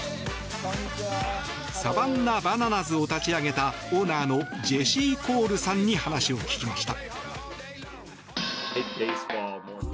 サバンナ・バナナズを立ち上げたオーナーのジェシー・コールさんに話を聞きました。